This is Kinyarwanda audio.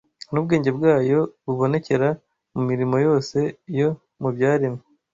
n’ubwenge bwayo bubonekera mu mirimo yose yo mu byaremwe.